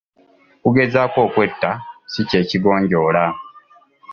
Okugezaako okwetta si kye kigonjoola.